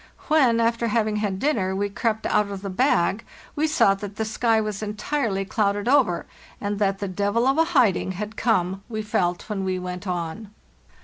When, after having had dinner, we crept out of the bag, we saw that the sky was entirely clouded over; and that the 'devil of a hiding' had come we felt when we went on.